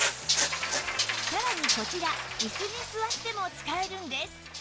さらにこちら椅子に座っても使えるんです